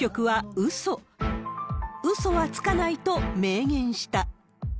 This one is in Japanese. うそはつかないと明言した。